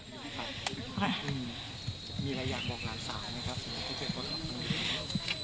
อืมมีอะไรอยากบอกหลานสาวไหมครับที่เจษันพ้นทุกคน